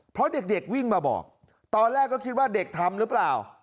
เพราะเด็กวิ่งมาบอกตอนแรกก็คิดว่าเด็กทำหรือเปล่า